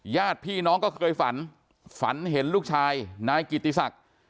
ญาติพี่น้องก็เคยฝันฝันเห็นลูกชายนายกิติศักดิ์